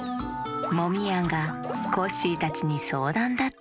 モミヤンがコッシーたちにそうだんだって！